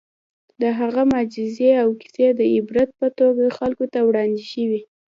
د هغه معجزې او کیسې د عبرت په توګه خلکو ته وړاندې شوي.